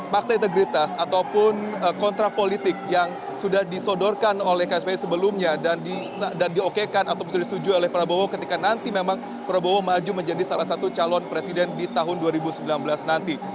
fakta integritas ataupun kontrak politik yang sudah disodorkan oleh kspi sebelumnya dan diokekan atau sudah disetujui oleh prabowo ketika nanti memang prabowo maju menjadi salah satu calon presiden di tahun dua ribu sembilan belas nanti